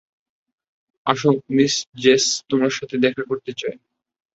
আসো miss Jess তোমার সাথে দেখা করতে চাই।